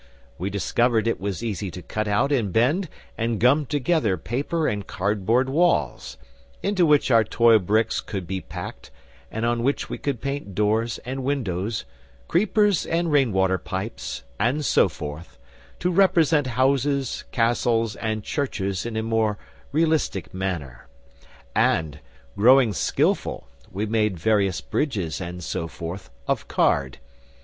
We discovered it was easy to cut out and bend and gum together paper and cardboard walls, into which our toy bricks could be packed, and on which we could paint doors and windows, creepers and rain water pipes, and so forth, to represent houses, castles, and churches in a more realistic manner, and, growing skilful, we made various bridges and so forth of card.